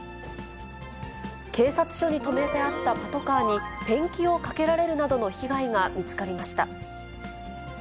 警察署に止めてあったパトカーに、ペンキをかけられるなどの被害が見つかりました。